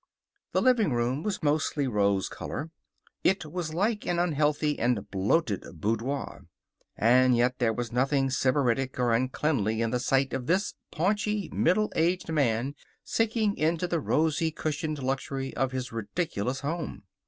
The living room was mostly rose color. It was like an unhealthy and bloated boudoir. And yet there was nothing sybaritic or uncleanly in the sight of this paunchy, middle aged man sinking into the rosy cushioned luxury of his ridiculous home.